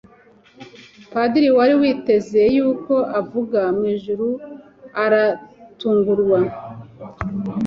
Padiri wari witeze yuko avuga mwijuru aratungurwa